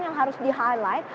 yang harus di highlight